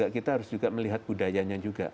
kita harus juga melihat budayanya juga